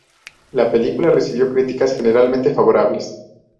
La película recibió críticas generalmente favorables.